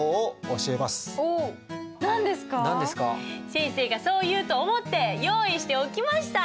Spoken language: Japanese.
先生がそう言うと思って用意しておきました。